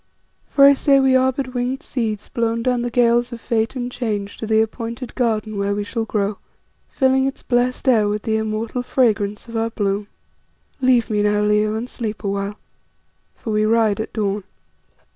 For I say we are but winged seeds blown down the gales of fate and change to the appointed garden where we shall grow, filling its blest air with the immortal fragrance of our bloom. "Leave me now, Leo, and sleep awhile, for we ride at dawn."